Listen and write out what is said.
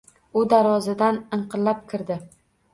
U darvozadan inqillab kirdi.